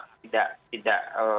tidak tidak apa tidak